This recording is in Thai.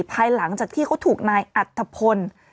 ภายหลังจากที่เขาถูกนายอัตภพล